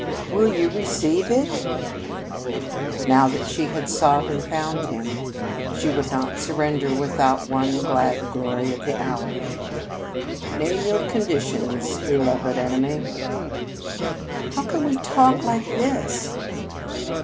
"Will you receive it?" cried Kate. Now that she had sought and found him, she would not surrender without one glad glory of the hour. "Name your conditions, beloved enemy." "How can we talk like this?"